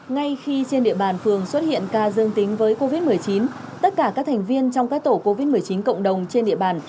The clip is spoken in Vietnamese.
ngay khi trên địa bàn phường xuất hiện ca dương tính với covid một mươi chín tất cả các thành viên trong các tổ covid một mươi chín cộng đồng trên địa bàn